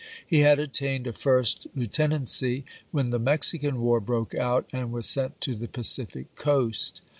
He had attained a first lieutenancy when the Mexican war broke out, and was sent to the Pacific coast.